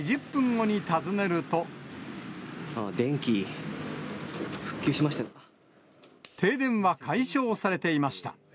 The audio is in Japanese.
電気、停電は解消されていました。